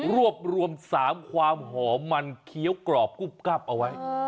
รวบรวม๓ความหอมมันเคี้ยวกรอบกรุบกรับเอาไว้